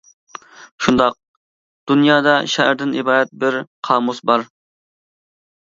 شۇنداق، دۇنيادا شائىردىن ئىبارەت بىر قامۇس بار.